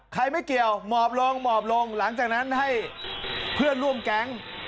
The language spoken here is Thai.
ไม่เกี่ยวหมอบลงหมอบลงหลังจากนั้นให้เพื่อนร่วมแก๊ง